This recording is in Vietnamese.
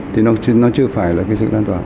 thì nó chưa phải là cái sự lan tỏa